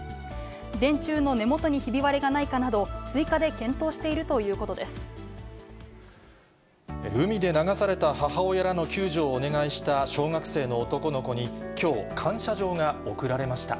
電柱の根元にひび割れがないかなど、追加で検討しているというこ海で流された母親らの救助をお願いした小学生の男の子にきょう、感謝状が贈られました。